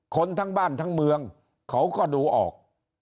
คนทั้งบ้านทั้งเมืองเขาก็ดูออก